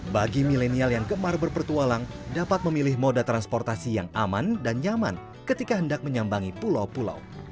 bagi milenial yang gemar berpetualang dapat memilih moda transportasi yang aman dan nyaman ketika hendak menyambangi pulau pulau